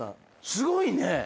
すごいね。